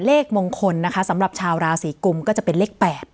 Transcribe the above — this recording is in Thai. เลขมงคลนะคะสำหรับชาวราศีกุมก็จะเป็นเลข๘